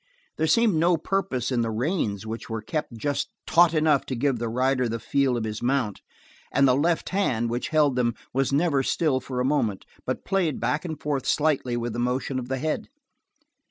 There seemed no purpose in the reins which were kept just taut enough to give the rider the feel of his mount, and the left hand which held them was never still for a moment, but played back and forth slightly with the motion of the head.